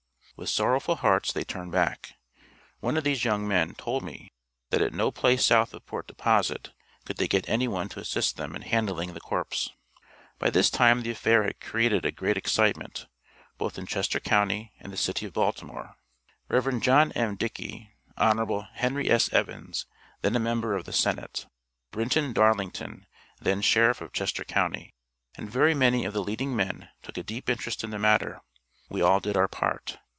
With sorrowful hearts they turned back; (one of these young men told me that at no place south of Port Deposit could they get any one to assist them in handling the corpse). By this time the affair had created a great excitement, both in Chester county and the City of Baltimore. Rev. John M. Dickey, Hon. Henry S. Evans, then a member of the Senate. Brinton Darlington, then Sheriff of Chester county, and very many of the leading men took a deep interest in the matter; we all did our part.